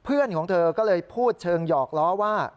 เพื่อนของเธอก็เลยพูดเชิงหยอกล้อว่า